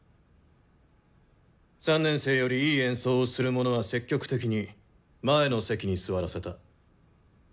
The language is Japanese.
３年生よりいい演奏をする者は積極的に前の席に座らせた。